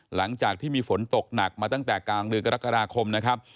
หลังจากที่มีฝนตกหนักมาตั้งแต่กลางเดือนกรกฎาคมนะครับ